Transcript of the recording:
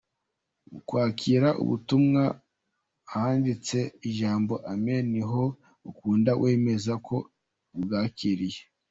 Mu kwakira ubutumwa, ahanditse ijambo ‘Amen’ niho ukanda wemeza ko ubwakiriye.